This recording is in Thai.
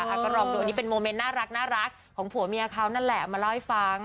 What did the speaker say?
ก็ลองดูอันนี้เป็นโมเมนต์น่ารักของผัวเมียเขานั่นแหละมาเล่าให้ฟัง